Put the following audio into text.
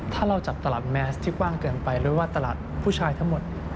ถ้าเราจับตลาดแมสที่กว้างเกินไปหรือว่าตลาดผู้ชายทั้งหมด